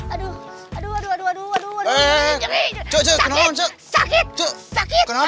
aduh aduh aduh